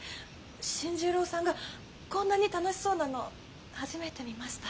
新十郎さんがこんなに楽しそうなの初めて見ました。